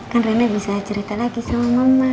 kan nenek bisa cerita lagi sama mama